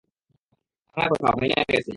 ভাঙার কথা, ভাইঙা গেসে।